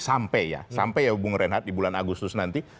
sampai ya bung renhat di bulan agustus nanti